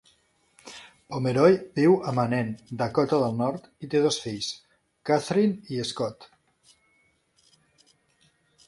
Pomeroy viu a Manen, Dakota del Nord, i té dos fills: Kathryn i Scott.